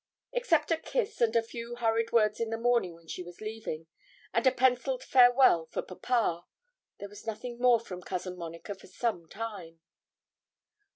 Except a kiss and a few hurried words in the morning when she was leaving, and a pencilled farewell for papa, there was nothing more from Cousin Monica for some time.